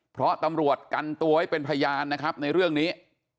เพราะตำรวจกันตัวไว้เป็นพยานนะครับในเรื่องนี้